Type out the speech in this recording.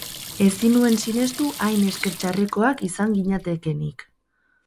Ezin nuen sinestu hain esker txarrekoak izan ginatekenik.